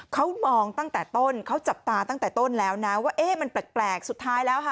เขามองตั้งแต่ต้นเขาจับตาตั้งแต่ต้นแล้วนะว่าเอ๊ะมันแปลกสุดท้ายแล้วค่ะ